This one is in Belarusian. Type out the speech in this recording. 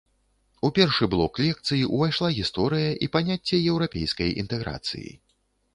У першы блок лекцый увайшла гісторыя і паняцце еўрапейскай інтэграцыі.